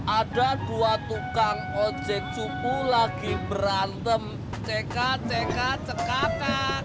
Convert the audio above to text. ada dua tukang ojek cupu lagi berantem cekat cekat cekat